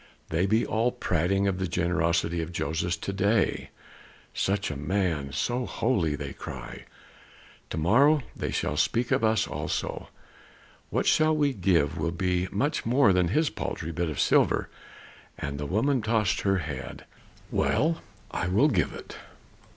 They be all prating of the generosity of Joses to day. 'Such a man! So holy!' they cry. To morrow they shall speak of us also; what we shall give will be much more than his paltry bit of silver." And the woman tossed her head. "Well, I will give it."